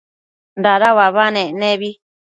dada uabanec nebi